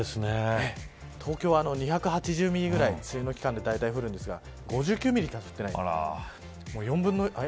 東京は２８０ミリぐらい梅雨の期間でだいたい降るんですが５９ミリしか降ってない。